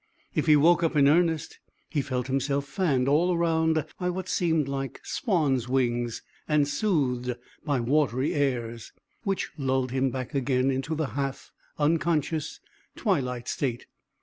If he woke up in earnest, he felt himself fanned all around by what seemed like swans' wings, and soothed by watery airs, which lulled him back again into the half unconscious, twilight state.